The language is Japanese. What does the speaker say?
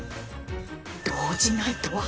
動じないとは！